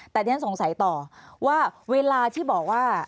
แต่ดิฉันสงสัยต่อว่าเวลาที่บอกว่า